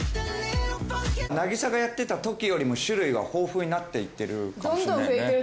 渚がやってた時よりも種類が豊富になっていってるかもしれないね。